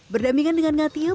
berdamingan dengan ngatie